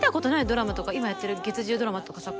ドラマとか今やってる月１０ドラマとかさ